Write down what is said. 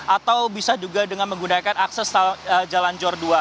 atau bisa juga dengan menggunakan akses jalan jor dua